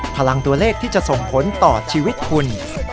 พลังตัวเลขที่จะส่งผลต่อชีวิตคุณ